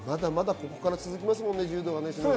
ここから続きますよね、柔道は。